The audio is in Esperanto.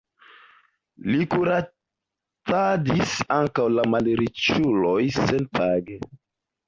Li kuracadis ankaŭ la malriĉulojn senpage.